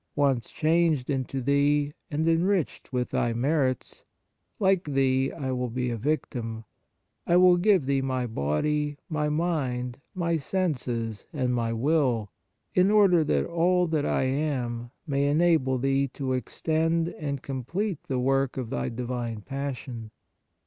Once changed into Thee, and enriched with Thy merits, like Thee I will be a victim ; I will 77 On the Exercises of Piety give Thee my body, my mind, my senses and my will, in order that all that I am may enable Thee to extend and to complete the work of Thy Divine Passion.